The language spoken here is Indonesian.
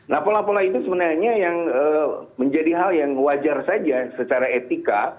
lapor laporan itu sebenarnya yang menjadi hal yang wajar saja secara etika